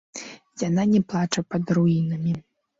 Яна не плача пад руінамі.